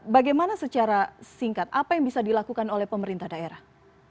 bagaimana secara singkat apa yang bisa dilakukan oleh pemerintah daerah